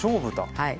はい。